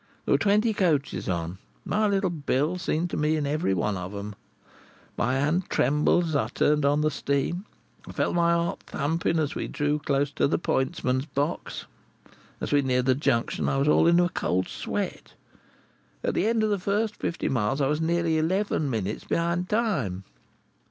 There were twenty coaches on; my little Bill seemed to me to be in every one of 'em. My hand trembled as I turned on the steam. I felt my heart thumping as we drew close to the pointsman's box; as we neared the Junction, I was all in a cold sweat. At the end of the first fifty miles I was nearly eleven minutes behind time.